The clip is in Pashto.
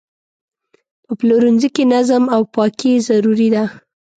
په پلورنځي کې نظم او پاکي ضروري ده.